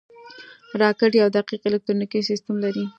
راکټ یو دقیق الکترونیکي سیستم لري